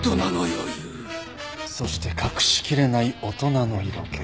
そして隠しきれない大人の色気。